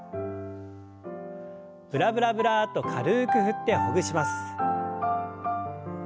ブラブラブラッと軽く振ってほぐします。